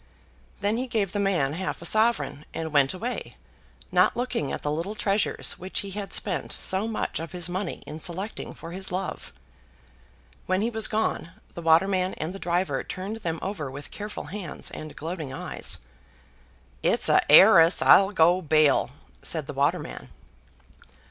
Then he gave the man half a sovereign, and went away, not looking at the little treasures which he had spent so much of his money in selecting for his love. When he was gone, the waterman and the driver turned them over with careful hands and gloating eyes. "It's a 'eiress, I'll go bail," said the waterman.